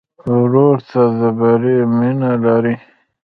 ورور ته د بری مینه لرې.